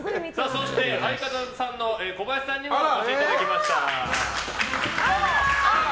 そして、相方の小林さんにもお越しいただきました。